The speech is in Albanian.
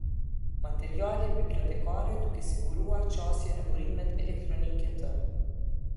Materiale bibliotekare dhe duke siguruar qasje në burimet elektronike të.